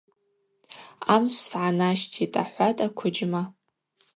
Амшв сгӏанащтитӏ, – ахӏватӏ аквыджьма.